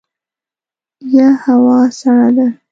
یه هوا سړه ده !